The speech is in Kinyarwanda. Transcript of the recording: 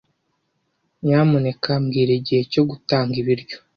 Nyamuneka mbwira igihe cyo gutanga ibiryo.